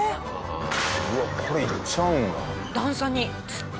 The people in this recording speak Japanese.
うわこれ行っちゃうんだ。